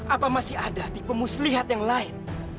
apa masih ada tipe muslihat yang lain